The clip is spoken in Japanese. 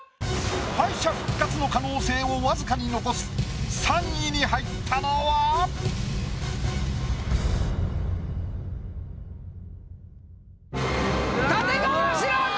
敗者復活の可能性を僅かに残す３位に入ったのは⁉立川志らく！